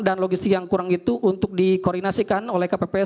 dan logistik yang kurang itu untuk dikoordinasikan oleh kpps